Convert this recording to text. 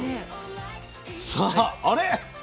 さああれ？